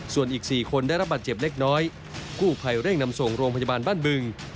ส่วนอีก๔คนได้รับบาดเจ็บเล็กน้อยกู้ภัยเร่งนำส่งโรงพยาบาลบ้านบึง